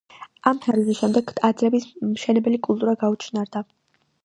ამ თარიღის შემდეგ, ტაძრების მშენებელი კულტურა გაუჩინარდა.